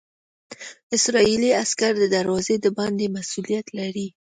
اسرائیلي عسکر د دروازې د باندې مسوولیت لري.